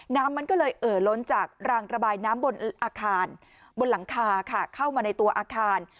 น้ำมันก็เลยเอ่อล้นจากรางระบายน้ำบนอาคารบนหลังคาค่ะเข้ามาในตัวอาคาร